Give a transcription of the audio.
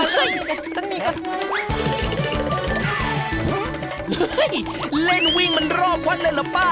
เล่นวิ่งมันรอบวัดเลยเหรอป้า